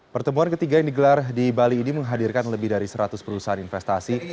pertemuan ketiga yang digelar di bali ini menghadirkan lebih dari seratus perusahaan investasi